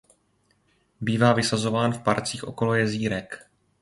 Bývá vysazován v parcích okolo jezírek.